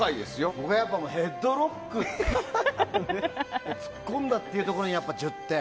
ヘッドロックで突っ込んだというところに１０点。